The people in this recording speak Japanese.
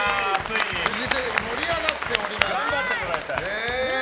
フジテレビ盛り上がっております。